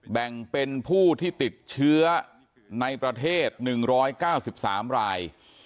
แบ่งเป็นผู้ที่ติดเชื้อในประเทศ๑๙๓ราย